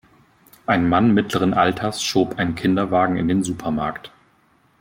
Ein Mann mittleren Alters schob einen Kinderwagen in den Supermarkt.